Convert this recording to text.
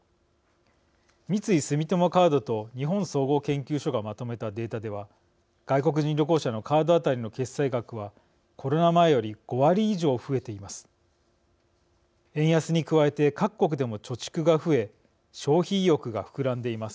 三井住友カードと日本総合研究所がまとめたデータでは外国人旅行者のカードあたりの決済額はコロナ前より５割以上増えています。